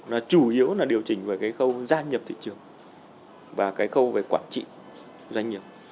là chủ yếu là điều chỉnh về cái khâu gia nhập thị trường và cái khâu về quản trị doanh nghiệp